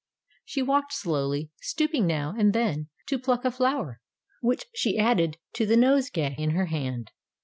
She walked slowly, stooping now and then to pluck a flower, which she added to the nosegay in her hand.